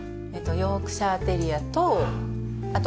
ヨークシャーテリアとあとミックスが。